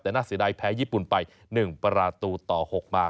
แต่น่าเสียดายแพ้ญี่ปุ่นไป๑ประตูต่อ๖มา